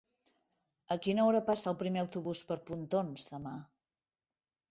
A quina hora passa el primer autobús per Pontons demà?